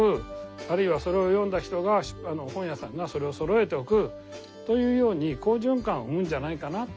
あるいはそれを読んだ人が本屋さんがそれをそろえておくというように好循環を生むんじゃないかなって。